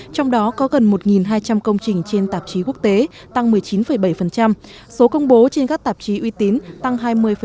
trong đó có gần một hai trăm linh công trình trên tạp chí quốc tế tăng một mươi chín bảy số công bố trên các tạp chí uy tín tăng hai mươi ba